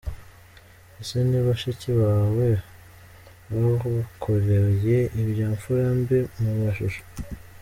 Ese ni bashiki bawe? Wabakoreye ibya mfura mbi mu mashusho.